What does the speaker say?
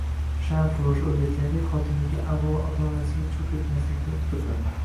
Shamfurush o`rgatganidek, xotiniga avvalo ota-onasiga churq etmaslikni uqdirdi